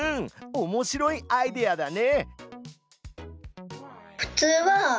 おもしろいアイデアだね！